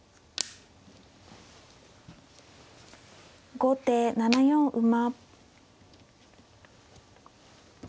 後手７四馬。